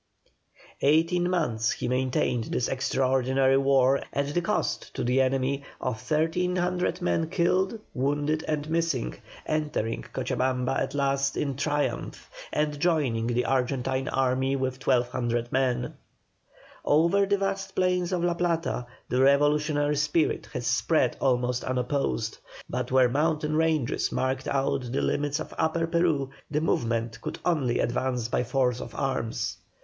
Eighteen months he maintained this extraordinary war at a cost to the enemy of 1,300 men in killed, wounded, and missing, entering Cochabamba at last in triumph, and joining the Argentine army with 1,200 men. Over the vast plains of La Plata the revolutionary spirit had spread almost unopposed, but where mountain ranges marked out the limits of Upper Peru the movement could only advance by force of arms.